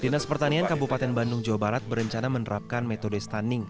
dinas pertanian kabupaten bandung jawa barat berencana menerapkan metode stunning